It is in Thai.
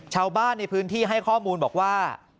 ชาวบ้านในพื้นที่ให้ข้อมูลบอกว่า